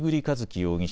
容疑者